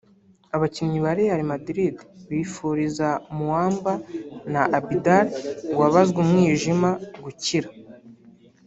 Abakinnyi ba Real Madrid bifuriza Muamba na Abidal wabazwe umwijima gukira